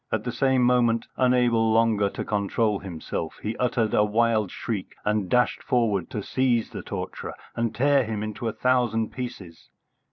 At the same moment, unable longer to control himself, he uttered a wild shriek and dashed forward to seize the torturer and tear him to a thousand pieces.